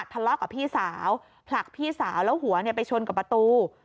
ทะเลาะกับพี่สาวผลักพี่สาวแล้วหัวไปชนกับประตู